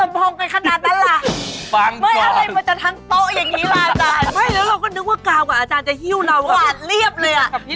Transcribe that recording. พี่ลาอาจารย์ไม่แล้วเราก็นึกว่ากาวกับอาจารย์จะฮิ้วเราอะ